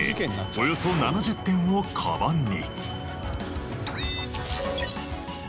およそ７０点をカバンに。